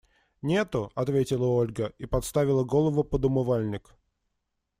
Нету, – ответила Ольга и подставила голову под умывальник.